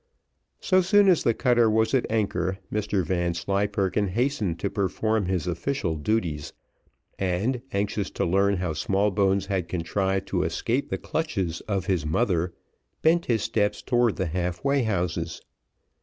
So soon as the cutter was at anchor, Mr Vanslyperken hastened to perform his official duties, and anxious to learn how Smallbones had contrived to escape the clutches of his mother, bent his steps towards the half way houses.